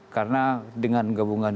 karena dengan gabungan